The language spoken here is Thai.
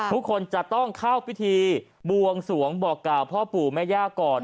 ทุกคนจะต้องเข้าพิธีบวงสวงบอกกล่าวพ่อปู่แม่ย่าก่อน